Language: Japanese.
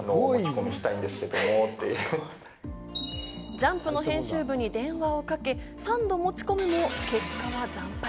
『ジャンプ』の編集部に電話をかけ、３度持ち込むも結果は惨敗。